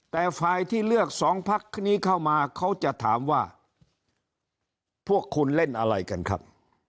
แต่ฝ่ายที่เลือกสองพักนี้เข้ามาเขาจะถามว่าพวกคุณเล่นอะไรกันครับ